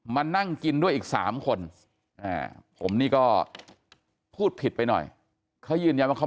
มานั่งกินด้วยอีก๓คนผมนี่ก็พูดผิดไปหน่อยเขายืนยันว่าเขา